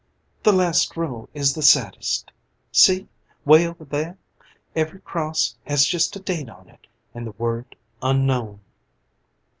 "The last row is the saddest see, 'way over there. Every cross has just a date on it and the word 'Unknown.'"